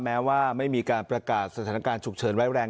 แม้ว่าไม่มีการประกาศสถานการณ์ฉุกเฉินไว้แรง